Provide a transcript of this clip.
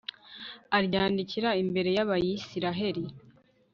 aryandikira imbere y'abayisraheli